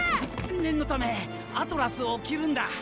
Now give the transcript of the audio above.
念のためアトラスを着るんだ！